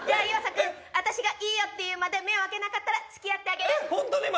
岩佐君私がいいよって言うまで目を開けなかったら付き合ってあげる！スタート！